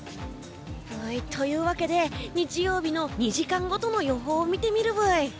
というわけで日曜日の２時間ごとの予報を見てみるブイ。